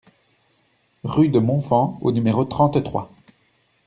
Rue de Montfand au numéro trente-trois